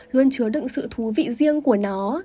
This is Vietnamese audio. luôn chứa đựng sự thú vị riêng của nó